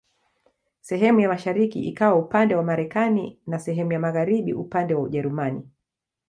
Sehemu ya mashariki ikawa upande wa Marekani na sehemu ya magharibi upande wa Ujerumani.